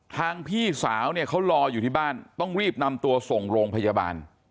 พี่สาวเนี่ยเขารออยู่ที่บ้านต้องรีบนำตัวส่งโรงพยาบาล